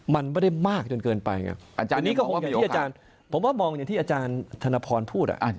มันไม่ได้มากจนเกินไปผมว่ามองอย่างที่อาจารย์ธนพรพูด